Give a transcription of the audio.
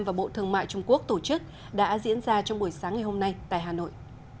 và bộ thương mại trung quốc tổ chức đã diễn ra trong buổi sáng ngày hôm nay tại hà nội